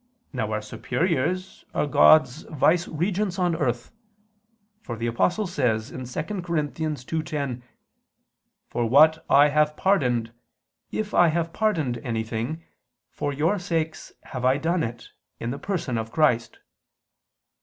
Now our superiors are God's viceregents on earth; for the Apostle says (2 Cor. 2:10): "For what I have pardoned, if I have pardoned anything, for your sakes have I done it in the person of Christ."